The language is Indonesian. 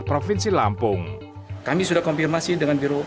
keterlambatan pembayaran ini diakui sudah diselesaikan pemerintah provinsi lampung